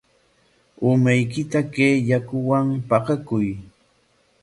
Umaykita kay yakuwan paqakuy.